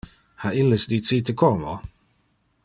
Ha illes dicite como?